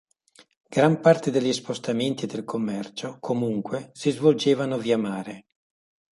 Gran parte degli spostamenti e del commercio, comunque, si svolgevano via mare.